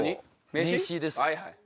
名刺です。